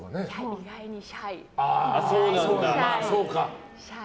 意外にシャイ。